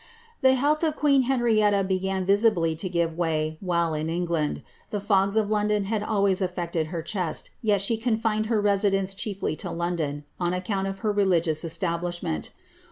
The health of queen Henrietta began visibly to give way while in !ifland ; the fogs of London had always affected her chest, yet she OQfined her residence chiefly to London, on account of her religious Vibiishment.